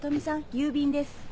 郵便です。